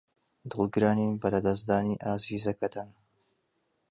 دڵگرانین بە لەدەستدانی ئازیزەکەتان.